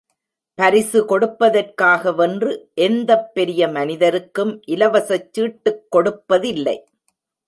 பரிசு கொடுப்பதற்காகவென்று எந்தப் பெரிய மனிதருக்கும் இலவசச் சீட்டுக் கொடுப்பதில்லை.